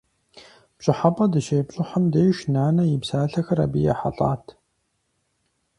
ПщӀыхьэпӀэ дыщепщӀыхьым деж, нанэ и псалъэхэр абы ехьэлӀат.